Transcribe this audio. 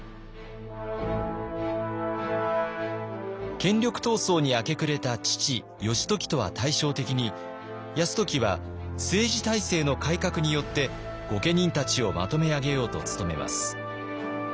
権力闘争に明け暮れた父義時とは対照的に泰時は政治体制の改革によって御家人たちをまとめ上げようと努めます。